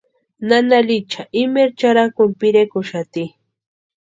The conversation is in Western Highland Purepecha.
Nana Licha imaeri charhakuni pirekuxati.